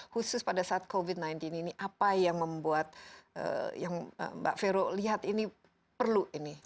khusus pada saat covid sembilan belas ini apa yang membuat yang mbak vero lihat ini perlu ini